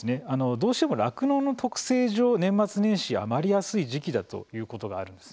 どうしても酪農の特性上年末年始は余りやすい時期だということがあるんです。